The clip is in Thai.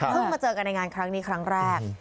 มาเจอกันในงานครั้งนี้ครั้งแรก